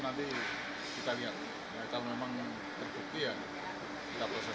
pemanggilan syahri jaang dipaksa untuk berpasangan dengan kapolda kalimantan timur tahun ini